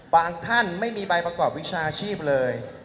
ท่านไม่มีใบประกอบวิชาชีพเลย